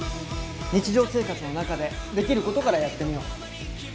日常生活の中でできることからやってみよう。